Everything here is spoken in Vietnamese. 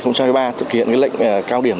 năm hai nghìn ba thực hiện lệnh cao điểm